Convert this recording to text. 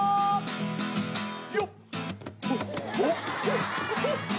よっ！